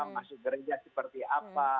masuk gereja seperti apa